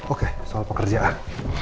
okay soal pekerjaan